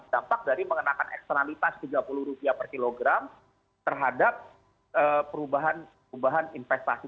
dampak dari mengenakan eksternalitas rp tiga puluh per kilogram terhadap perubahan investasi